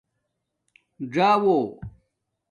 ژݹ